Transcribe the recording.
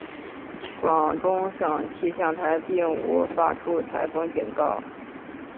广东省气象台并无发出台风警告。